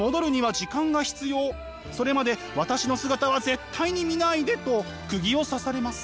それまで私の姿は絶対に見ないで」とくぎを刺されます。